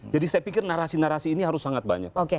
jadi saya pikir narasi narasi ini harus sangat banyak